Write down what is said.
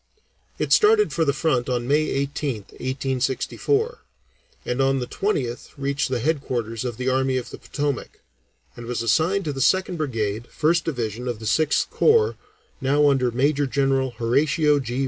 It started for the front on May 18th (1864), and on the 20th reached the headquarters of the Army of the Potomac, and was assigned to the Second Brigade, First Division, of the Sixth Corps, now under Major General Horatio G.